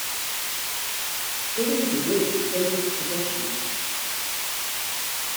William De Ros then took possession of it.